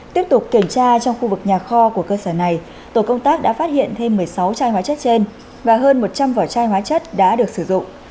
tiếp tục kiểm tra trong khu vực nhà kho của cơ sở này tổ công tác đã phát hiện thêm một mươi sáu chai hóa chất trên và hơn một trăm linh vỏ chai hóa chất đã được sử dụng